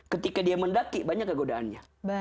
ketika dia mendaki banyak kegodaannya